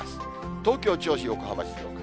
東京、銚子、横浜、静岡。